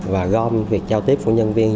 và gom việc giao tiếp của nhân viên